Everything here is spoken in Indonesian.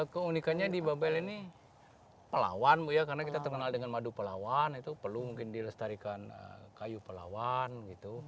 keunikannya di babel ini pelawan bu ya karena kita terkenal dengan madu pelawan itu perlu mungkin dilestarikan kayu pelawan gitu